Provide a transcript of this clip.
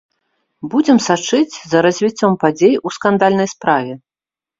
Будзем сачыць за развіццём падзей у скандальнай справе.